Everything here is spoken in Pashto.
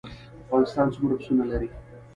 افغانستان څومره پسونه لري؟